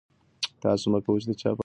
تاسو مه کوئ چې د چا په حق کې ظلم وکړئ.